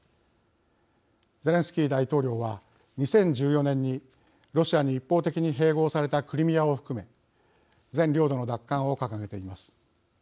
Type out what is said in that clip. ゼレンスキー大統領は２０１４年にロシアに一方的に併合されたクリミアを含め全領土の奪還を掲げています。